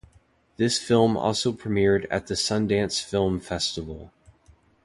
This film also premiered at the Sundance Film Festival.